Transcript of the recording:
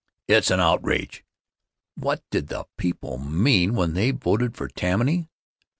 It's an outrage! What did the people mean when they voted for Tammany?